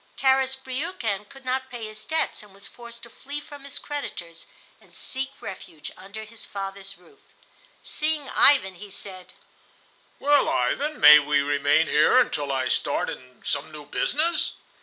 Tarras Briukhan could not pay his debts, and was forced to flee from his creditors and seek refuge under his father's roof. Seeing Ivan, he said: "Well, Ivan, may we remain here until I start in some new business?"